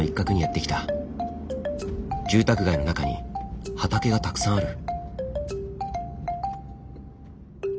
住宅街の中に畑がたくさんある。